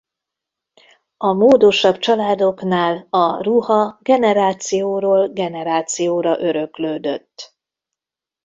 A módosabb családoknál a ruha generációról generációra öröklődött.